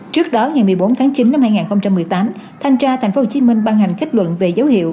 trước đó ngày một mươi bốn tháng chín năm hai nghìn một mươi tám thanh tra thành phố hồ chí minh ban hành kết luận về dấu hiệu